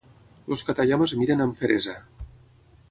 Els Katayama es miren amb feresa.